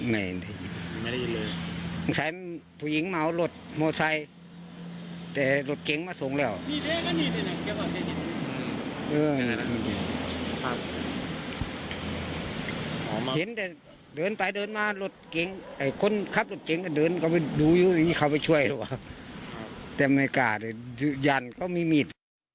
แม้คนรถจักรเก๋งไปเดินเขาไปช่วยแต่ยันเขามีมีด